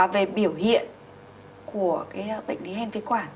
về biểu hiện của bệnh lý hen phế quản